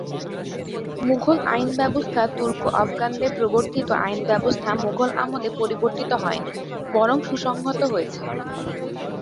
মুগল আইনব্যবস্থা তুর্ক-আফগানদের প্রবর্তিত আইনব্যবস্থা মুগল আমলে পরিবর্তিত হয় নি, বরং সুসংহত হয়েছে।